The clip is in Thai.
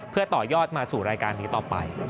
เพื่อต่อยอดมาสู่รายการนี้ต่อไป